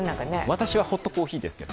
私はホットコーヒーですけど。